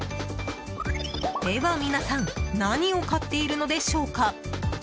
では、皆さん何を買っているのでしょうか？